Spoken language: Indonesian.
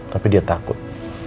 tapi dia takut